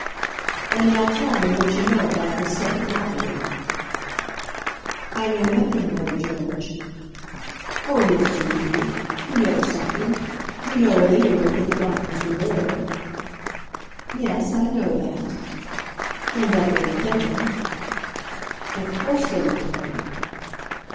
"And now tell me what you know about this second robbery." "I know nothing, Lord George." "Oh, yes, you do. You know something. You know, at any rate, that the diamonds were there." "Yes; I know that." "And that they were taken?" "Of course they were taken."